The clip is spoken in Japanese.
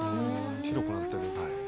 白くなってる。